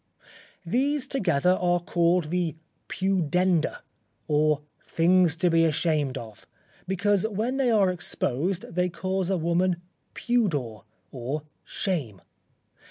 These together are called the pudenda, or things to be ashamed of because when they are exposed they cause a woman pudor, or shame.